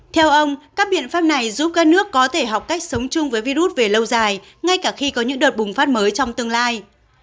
theo ông các biện pháp này giúp các nước có thể học cách sống chung với virus về lâu dài ngay cả khi có những đợt bùng phát mới trong tương lai